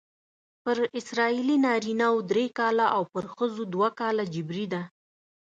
پر اسرائیلي نارینه وو درې کاله او پر ښځو دوه کاله جبری ده.